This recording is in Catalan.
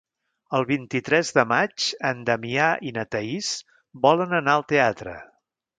El vint-i-tres de maig en Damià i na Thaís volen anar al teatre.